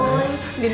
din pelan pelan din